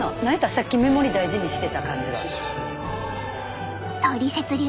さっき目盛り大事にしてた感じは。